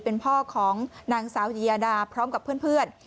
เป็นพ่อของนางสาวิยาดาพร้อมกับเพื่อน